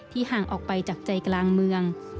ห่างออกไปจากใจกลางเมือง